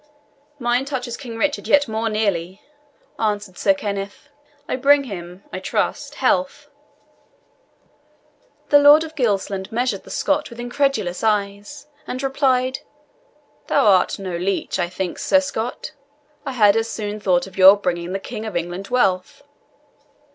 "Mine touches King Richard yet more nearly," answered Sir Kenneth; "I bring him, I trust, health." The Lord of Gilsland measured the Scot with incredulous eyes, and replied, "Thou art no leech, I think, Sir Scot; I had as soon thought of your bringing the King of England wealth."